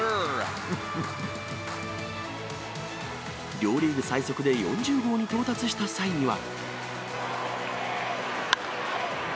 両リーグ最速で４０号に到達した際には。